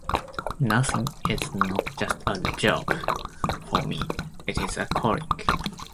Nursing is not just a job for me, it is a calling.